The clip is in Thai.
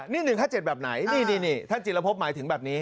นี่๑๕๗แบบไหนนี่ท่านจิลพบหมายถึงแบบนี้